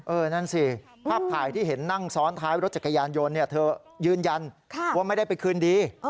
นั่นสิภาพถ่ายที่เห็นนั่งซ้อนท้ายรถจักรยานยนต์เธอยืนยันว่าไม่ได้ไปคืนดี